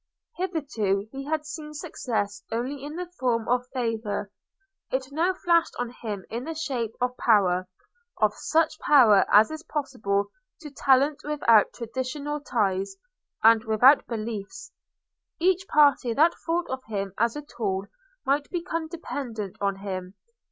Hitherto he had seen success only in the form of favour; it now flashed on him in the shape of power—of such power as is possible to talent without traditional ties, and without beliefs. Each party that thought of him as a tool might become dependent on him.